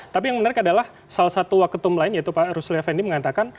tapi yang menarik adalah salah satu waketum lain yaitu pak rusli effendi mengatakan